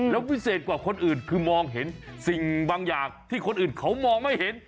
แล้ววิเศษกว่าคนอื่นคือมองเห็นสิ่งบางอย่างที่คนอื่นเขามองไม่เห็น